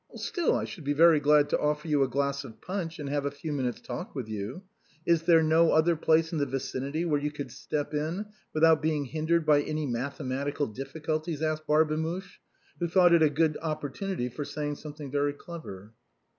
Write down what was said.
" Still I should be very glad to offer you a glass of punch, and have a few minutes' talk with you. Is there no other place in the vicinity where you could step in without being hindered by any mathematical difficulties?" asked 133 134 THE BOHEMIANS OP THE LATIN QUARTER. Barbemuche, who thought it a good opportunity for saying something very clever.